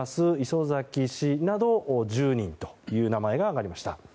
磯崎氏など１０人という名前が挙がりました。